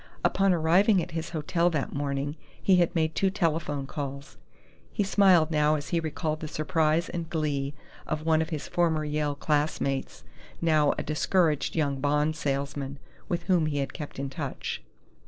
Upon arriving at his hotel that morning he had made two telephone calls. He smiled now as he recalled the surprise and glee of one of his former Yale classmates, now a discouraged young bond salesman, with whom he had kept in touch.